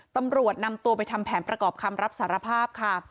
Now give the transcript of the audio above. ตำรวจนำตัวไปทำแผนประกอบคำรับสารภาพค่ะ